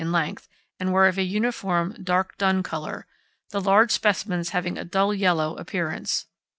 in length, and were of a uniform dark dun colour—the large specimens having a dull yellow appearance.